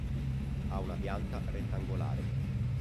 Ha una pianta rettangolare.